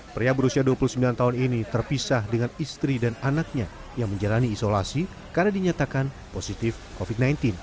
pria berusia dua puluh sembilan tahun ini terpisah dengan istri dan anaknya yang menjalani isolasi karena dinyatakan positif covid sembilan belas